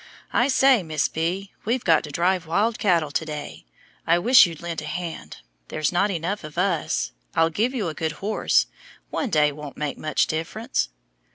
"I say, Miss B., we've got to drive wild cattle to day; I wish you'd lend a hand, there's not enough of us; I'll give you a good horse; one day won't make much difference."